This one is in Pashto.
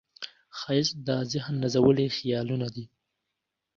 ښایست د ذهن نازولي خیالونه دي